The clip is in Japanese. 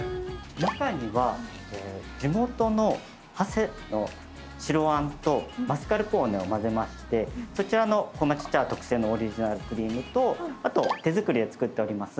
中には地元の長谷の白あんとマスカルポーネを混ぜましてこまち茶屋特製のオリジナルクリームとあと手作りで作っております